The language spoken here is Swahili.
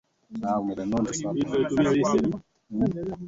Mpaka leo hii mahandaki hayo yanapatikana hapo